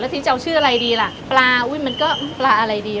ทีจะเอาชื่ออะไรดีล่ะปลาอุ้ยมันก็ปลาอะไรดี